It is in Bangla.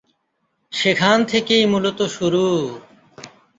সেখান থেকেই মূলত শুরু।